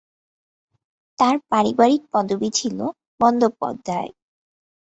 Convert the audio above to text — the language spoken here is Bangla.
তাঁর পারিবারিক পদবি ছিল বন্দ্যোপাধ্যায়।